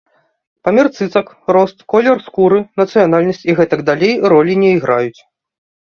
Памер цыцак, рост, колер скуры, нацыянальнасць і гэтак далей ролі не іграюць.